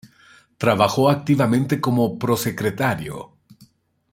Trabajó activamente como prosecretario.